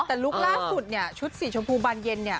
แต่ลุคล่าสุดเนี่ยชุดสีชมพูบานเย็นเนี่ย